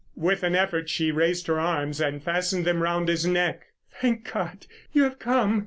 With an effort she raised her arms and fastened them around his neck. "Thank God you have come!"